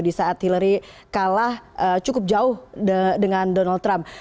di saat hillary kalah cukup jauh dengan donald trump